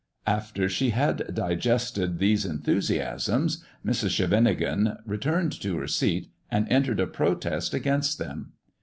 After she had digested these enthusiasms, Mrs. Scheven ingen returned to her seat, and entered a protest against them.